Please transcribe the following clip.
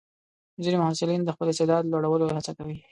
ځینې محصلین د خپل استعداد لوړولو هڅه کوي.